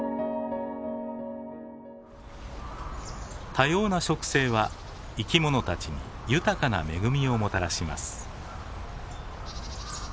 多様な植生は生き物たちに豊かな恵みをもたらします。